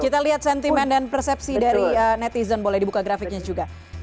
kita lihat sentimen dan persepsi dari netizen boleh dibuka grafiknya juga